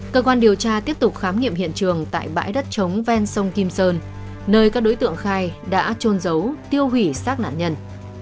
cơ quan điều tra tiếp tục khám nghiệm hiện trường tại bãi đất trống ven sông kim sơn nơi các đối tượng khai đã trôn giấu tiêu hủy sát nạn nhân